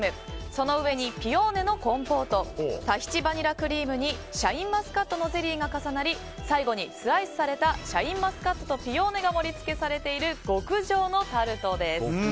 その上にピオーネのコンポートタヒチバニラクリームにシャインマスカットのゼリーが重なり最後にスライスされたシャインマスカットとピオーネが盛り付けされている極上のタルトです。